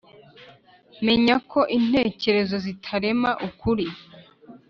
menyako intekerezo zitarema ukuri,